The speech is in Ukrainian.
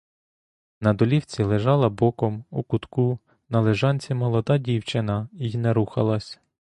На долівці лежала боком у кутку на лежанці молода дівчина й не рухалась.